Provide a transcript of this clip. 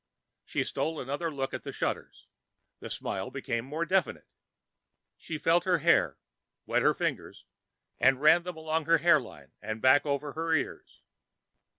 She stole another look at the shutters. The smile became more definite. She felt her hair, wet her fingers and ran them along her hairline and back over her ears.